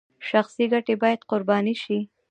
شخصي ګټې باید قرباني شي